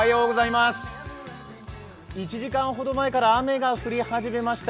１時間ほど前から雨が降り始めました。